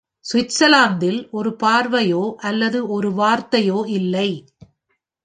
சுவிட்சர்லாந்தில் ஒரு பார்வையோ அல்லது ஒரு வார்த்தையோ இல்லை.